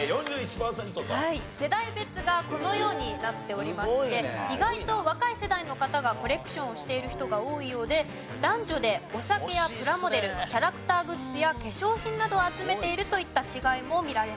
世代別がこのようになっておりまして意外と若い世代の方がコレクションをしている人が多いようで男女でお酒やプラモデルキャラクターグッズや化粧品などを集めているといった違いもみられました。